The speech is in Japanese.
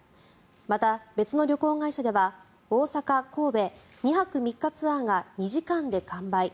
また、別の旅行会社では大阪・神戸２泊３日ツアーが２時間で完売。